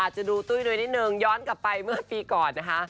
จะดูตุ้ยนิดนึงย้อนกลับไปเมื่อปีก่อนนะคะ